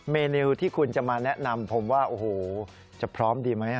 เมนูที่คุณจะมาแนะนำผมว่าโอ้โหจะพร้อมดีไหม